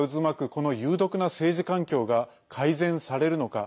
この有毒な政治環境が改善されるのか。